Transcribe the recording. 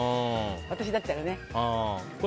私だったらね。